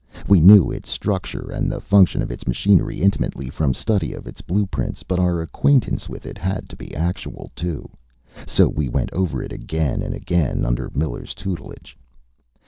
We knew its structure and the function of its machinery intimately from study of its blueprints. But our acquaintance with it had to be actual, too. So we went over it again and again, under Miller's tutelage.